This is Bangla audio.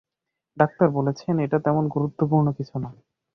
ডাক্তার বলেছেন এটা তেমন গুরুত্বপূর্ণ কিছু না।